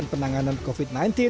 penanganan covid sembilan belas